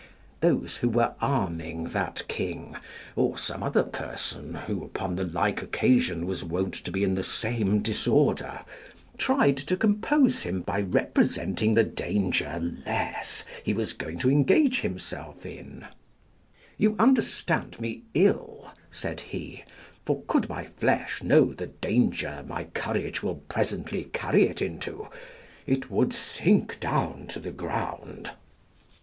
Those who were arming that king, or some other person, who upon the like occasion was wont to be in the same disorder, tried to compose him by representing the danger less he was going to engage himself in: "You understand me ill," said he, "for could my flesh know the danger my courage will presently carry it into, it would sink down to the ground."